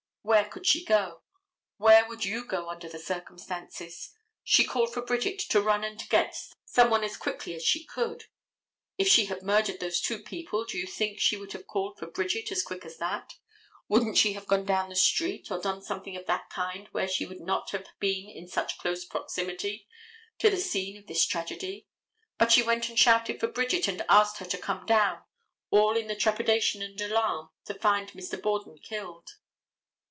Where could she go? Where would you go under the circumstances? She called for Bridget to run and get some one as quickly as she could. If she had murdered those two people do you think she would have called for Bridget as quick as that? Wouldn't she have gone down the street or done something of that kind where she would not have been in such close proximity to the scene of this tragedy? But she went and shouted for Bridget and asked her to come down, all in the trepidation and alarm, to find Mr. Borden killed.